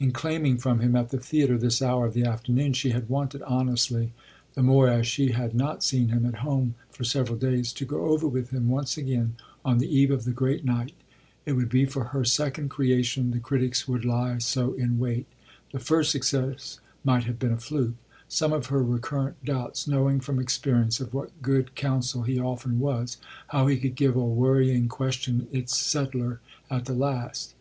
In claiming from him at the theatre this hour of the afternoon she had wanted honestly (the more as she had not seen him at home for several days) to go over with him once again, on the eve of the great night it would be for her second creation the critics would lie so in wait; the first success might have been a fluke some of her recurrent doubts: knowing from experience of what good counsel he often was, how he could give a worrying question its "settler" at the last.